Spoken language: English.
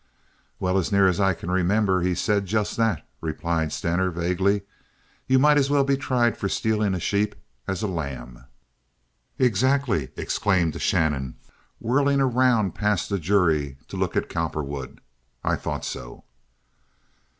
"Well, as near as I can remember, he said just that," replied Stener, vaguely. "You might as well be tried for stealing a sheep as a lamb." "Exactly!" exclaimed Shannon, whirling around past the jury to look at Cowperwood. "I thought so."